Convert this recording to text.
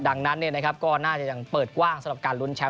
ดังนั้นก็น่าจะยังเปิดกว้างสำหรับการลุ้นแชมป